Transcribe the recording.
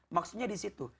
maksudnya di situ